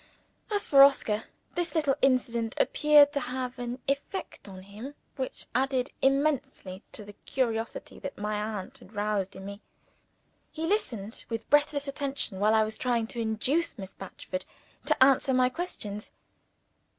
As for Oscar, this little incident appeared to have an effect on him which added immensely to the curiosity that my aunt had roused in me. He listened with breathless attention while I was trying to induce Miss Batchford to answer my questions.